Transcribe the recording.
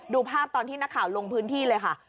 ดูภาพตอนที่นักข่าวลงพื้นที่เลยค่ะ